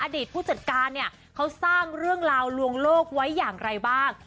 ผู้จัดการเนี่ยเขาสร้างเรื่องราวลวงโลกไว้อย่างไรบ้าง